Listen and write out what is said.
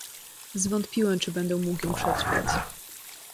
"Zwątpiłem czy będę mógł ją przetrwać."